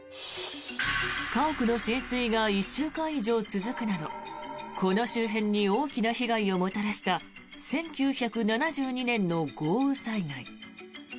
家屋の浸水が１週間以上続くなどこの周辺に大きな被害をもたらした１９７２年の豪雨災害。